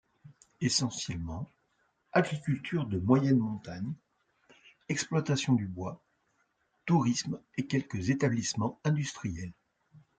Essentiellement, agriculture de moyenne montagne, exploitation du bois, tourisme et quelques établissements industriels.